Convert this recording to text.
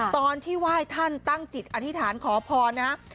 ตอนที่ไหว้ท่านตั้งจิตอธิษฐานขอพรนะครับ